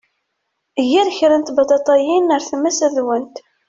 Ger kra n tbaṭaṭayin ar tmes ad d-wwent.